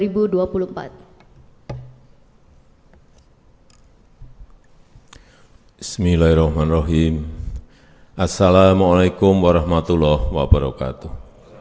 bismillahirrahmanirrahim assalamualaikum warahmatullahi wabarakatuh